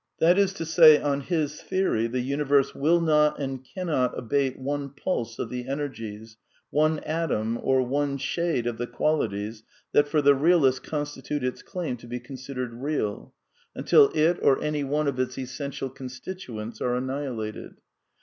That is to say, on his theory, the universe will not and cannot abate one pulse of the energies, one atom, or one shade of the qualities that for the realist constitute its claim to be con sidered real, until it or any one of its essential constitu ents are annihilated.